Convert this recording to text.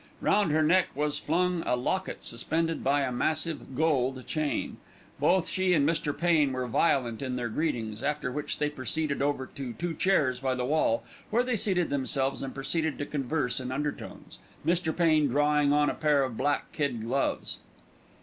Round her neck was flung a locket suspended by a massive "gold" chain. Both she and Mr. Pain were violent in their greetings, after which they proceeded over to two chairs by the wall where they seated themselves and proceeded to converse in undertones, Mr. Pain drawing on a pair of black kid gloves.